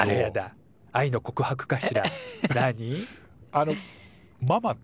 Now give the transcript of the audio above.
あのママって。